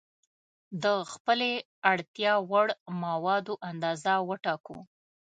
د خپلې اړتیا وړ موادو اندازه وټاکو.